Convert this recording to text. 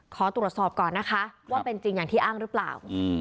ขอตรวจสอบก่อนนะคะว่าเป็นจริงอย่างที่อ้างหรือเปล่า